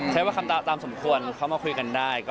ใช้ว่าคำตามสมควรเขามาคุยกันได้